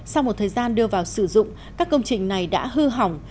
sau một thời gian đưa vào sử dụng các công trình này đã hư hỏng